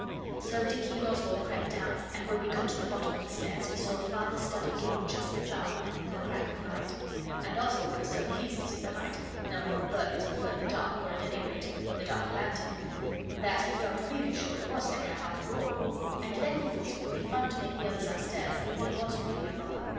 So Dicky and Oswald crept down, and when we got to the bottom of the stairs, we saw Father's study door just ajar, and the crack of light. And Oswald was so pleased to see the light, knowing that burglars prefer the dark, or at any rate the dark lantern, that he felt really sure it was the cat after all, and then he thought it would be fun to make the others upstairs think it was really a robber.